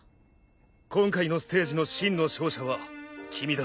「今回のステージの真の勝者は君だ。